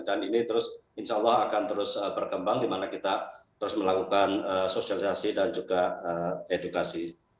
dan ini terus insya allah akan terus berkembang dimana kita terus melakukan sosialisasi dan juga edukasi